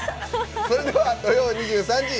それでは土曜２３時。